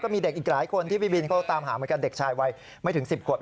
มีเด็กอีกหลายคนที่พี่บินเขาตามหาเหมือนกันเด็กชายวัยไม่ถึง๑๐ขวบ